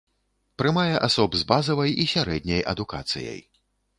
Прымае асоб з базавай і сярэдняй адукацыяй.